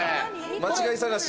間違い探し？